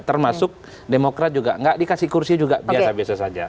termasuk demokrat juga nggak dikasih kursi juga biasa biasa saja